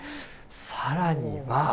さらには。